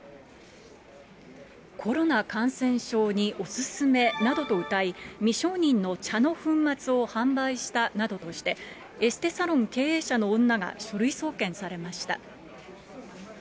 コロナ感染症にお勧めなどとうたい、未承認の茶の粉末を販売したなどとして、エステサロン経営者の女が書類送検されました。